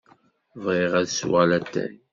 Bɣiɣ ad sweɣ latay.